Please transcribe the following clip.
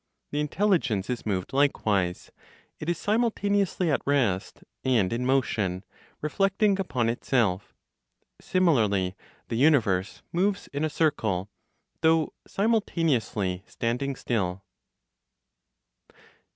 The intelligence is moved likewise; it is simultaneously at rest and in motion, reflecting upon itself. Similarly the universe moves in a circle, though simultaneously standing still.